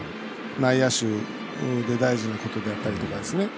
内野手で大事なことであったりとかですね。